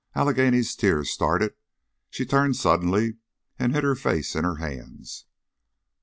Allegheny's tears started, she turned suddenly and hid her face in her hands.